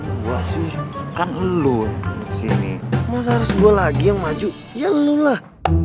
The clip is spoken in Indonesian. kok gue sih kan elu yang tersini masa harus gue lagi yang maju ya elu lah